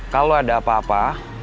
kalau ada apa apa